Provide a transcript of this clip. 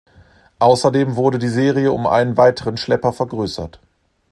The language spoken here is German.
Außerdem wurde die Serie um einen weiteren Schlepper vergrößert.